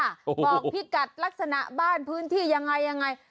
บอกพี่กัดลักษณะบ้านพื้นที่ยังไงยังไง